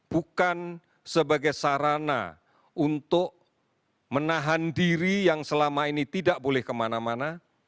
bukan sebagai sarana untuk menahan diri yang selama ini tidak boleh kemana mana